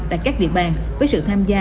tại các địa bàn với sự tham gia